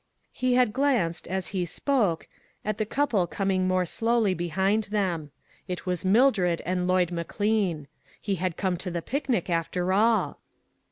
He had glanced, as he spoke, at the couple coming more slowly behind them. It was Mildred and Lloyd McLean. He had come to the picnic after all.